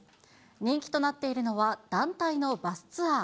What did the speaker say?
人気となっているのは団体のバスツアー。